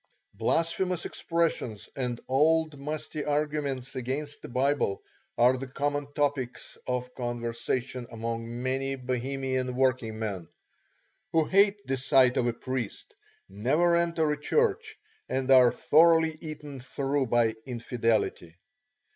Blasphemous expressions and old musty arguments against the Bible are the common topics of conversation among many Bohemian working men, who hate the sight of a priest, never enter a church, and are thoroughly eaten through by infidelity.